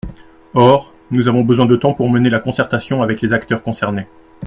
Or, nous avons besoin de temps pour mener la concertation avec les acteurs concernés.